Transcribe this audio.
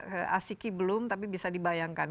ke asiki belum tapi bisa dibayangkan